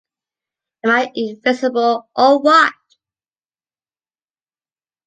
Am I invisible or what?